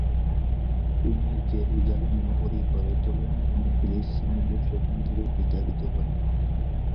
তিনি জেরুজালেম নগরী গড়ে তোলেন এবং ফিলিস্তিনিদের সেখান থেকে বিতাড়িত করেন।